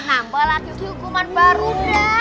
nampak lah hukuman baru udah